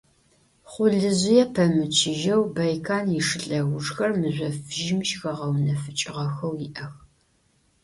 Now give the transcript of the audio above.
Хъулыжъые пэмычыжьэу Байкан ишы лъэужхэр мыжъо фыжьым щыхэгъэунэфыкӏыгъэхэу иӏэх.